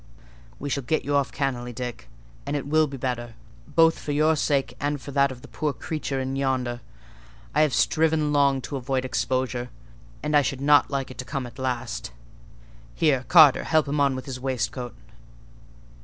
"We shall get you off cannily, Dick: and it will be better, both for your sake, and for that of the poor creature in yonder. I have striven long to avoid exposure, and I should not like it to come at last. Here, Carter, help him on with his waist coat.